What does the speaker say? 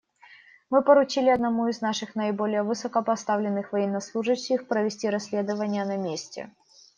Мы поручили одному из наших наиболее высокопоставленных военнослужащих провести расследование на месте.